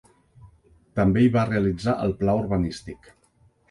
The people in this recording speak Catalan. També hi va realitzar el pla urbanístic.